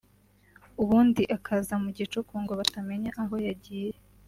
ubundi akaza mu gicuku ngo batamenya aho yagiye